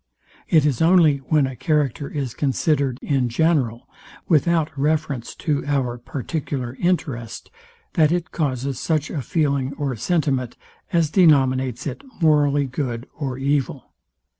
It is only when a character is considered in general, without reference to our particular interest, that it causes such a feeling or sentiment, as denominates it morally good or evil.